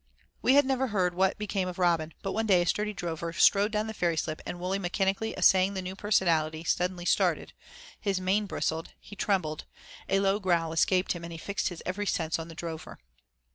We had never heard what became of Robin, but one day a sturdy drover strode down the ferry slip and Wully mechanically assaying the new personality, suddenly started, his mane bristled, he trembled, a low growl escaped him, and he fixed his every sense on the drover.